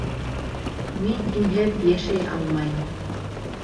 Мин һинһеҙ йәшәй алмайым